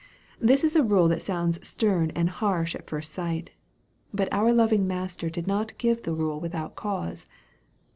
This is a rule that sounds stern and harsh at first sight. But our loving Master did not give the rule without cause.